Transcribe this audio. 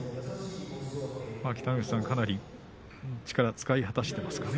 北の富士さん、かなり力を使い果たしていますかね。